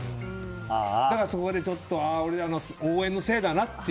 だから、そこで俺らの応援のせいだなって。